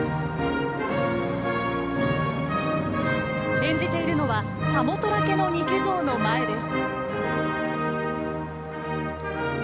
演じているのはサモトラケのニケ像の前です。